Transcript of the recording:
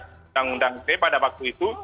undang undang ite pada waktu itu